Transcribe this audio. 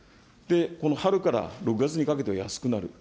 この春から６月にかけては安くなる。